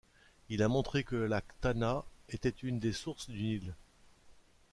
Il a montré que le lac Tana était une des sources du Nil.